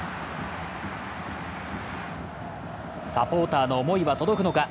サポーターの思いは届くのか。